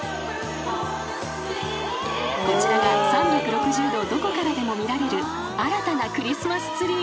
［こちらが３６０度どこからでも見られる新たなクリスマスツリー］